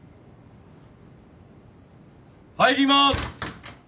入りまーす！